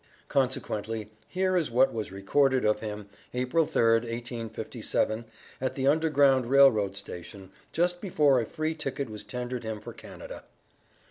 Consequently here is what was recorded of him, April 3d, 1857, at the Underground Rail Road Station, just before a free ticket was tendered him for Canada.